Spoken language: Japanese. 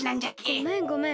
ごめんごめん。